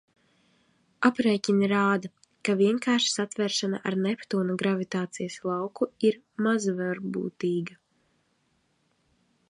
Aprēķini rāda, ka vienkārša satveršana ar Neptūna gravitācijas lauku ir mazvarbūtīga.